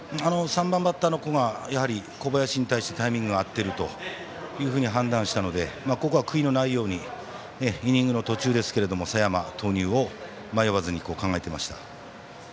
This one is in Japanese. ３番バッターの子が小林に対してタイミングが合っていると判断したのでここは悔いのないようにイニングの途中ですけども佐山投入を迷わずに考えていました。